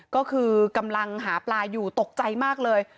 ก็คือกำลังหาปลาอยู่ตกใจมากเลย